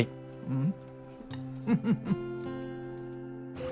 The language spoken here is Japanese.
うん。